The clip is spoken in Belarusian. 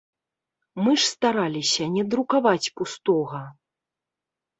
Мы ж стараліся не друкаваць пустога.